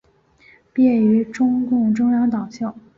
毕业于中共中央党校。